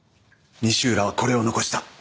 西浦はこれを残した。